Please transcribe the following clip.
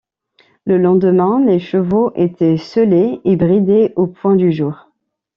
Le lendemain, les chevaux étaient sellés et bridés au point du jour